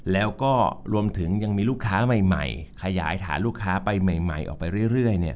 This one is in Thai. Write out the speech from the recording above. แล้วก็รวมถึงยังมีลูกค้าใหม่ขยายฐานลูกค้าไปใหม่ออกไปเรื่อยเนี่ย